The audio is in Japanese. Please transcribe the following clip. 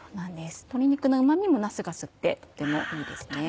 鶏肉のうま味もなすが吸ってとてもいいですね。